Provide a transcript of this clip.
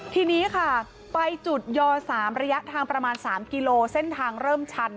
ทีนี้ค่ะไปจุดย๓ระยะทางประมาณ๓กิโลเส้นทางเริ่มชัน